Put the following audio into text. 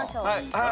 はい！